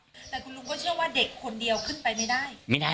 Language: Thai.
แต่คุณลุงก็เชื่อว่าเด็กคนเดียวขึ้นไปไม่ได้ไม่ได้